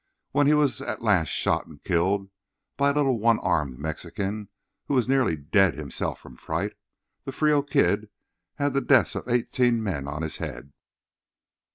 When he was at last shot and killed by a little one armed Mexican who was nearly dead himself from fright, the Frio Kid had the deaths of eighteen men on his head.